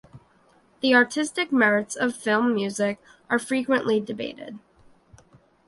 The artistic merits of film music are frequently debated.